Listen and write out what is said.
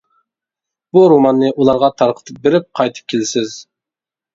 بۇ روماننى ئۇلارغا تارقىتىپ بېرىپ قايتىپ كېلىسىز.